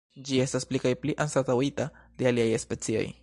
Ĝi estas pli kaj pli anstataŭita de aliaj specioj.